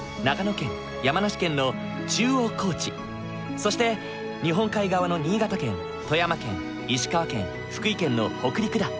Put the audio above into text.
そして日本海側の新潟県富山県石川県福井県の北陸だ。